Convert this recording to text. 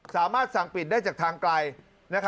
สามารถสั่งปิดได้จากทางไกลจะปิดผ่านแอปนะครับ